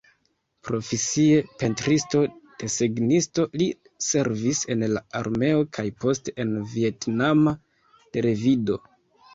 Profesie pentristo-desegnisto, li servis en la armeo kaj poste en vjetnama televido.